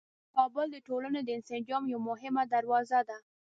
کابل د ټولنې د انسجام یوه مهمه دروازه ده.